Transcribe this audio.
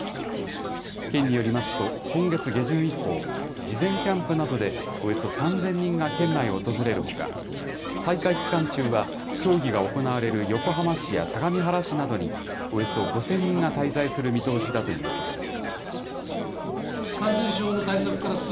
県によりますと、今月下旬以降、事前キャンプなどでおよそ３０００人が県内を訪れるほか、大会期間中は、競技が行われる横浜市や相模原市などにおよそ５０００人が滞在する見通しだということです。